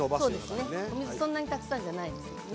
そんなにたくさんじゃないですよね。